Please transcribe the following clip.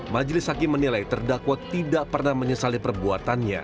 majelis hakim menilai terdakwa tidak pernah menyesali perbuatannya